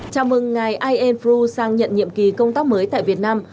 chào mừng ngài ian frew sang nhận nhiệm kỳ công tác mới tại việt nam